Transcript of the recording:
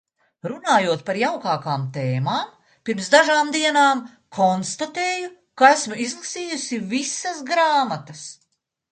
Runājot par jaukākām tēmām, pirms dažām dienām konstatēju, ka esmu izlasījusi visas grāmatas.